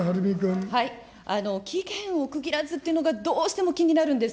期限を区切らずというのが、どうしても気になるんです。